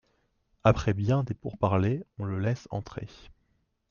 Après bien des pourparlers, on le laisse entrer.